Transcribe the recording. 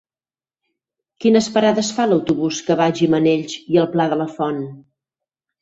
Quines parades fa l'autobús que va a Gimenells i el Pla de la Font?